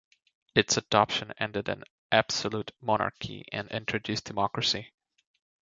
Its adoption ended an absolute monarchy and introduced democracy.